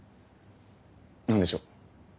何でしょう。